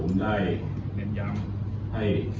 ผมได้แม้จัดให้